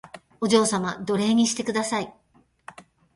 お嬢様奴隷にしてください